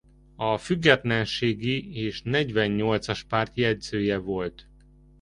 A Függetlenségi és Negyvennyolcas Párt jegyzője volt.